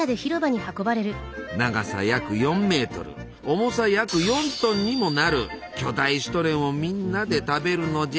長さ約４メートル重さ約４トンにもなる巨大シュトレンをみんなで食べるのじゃ。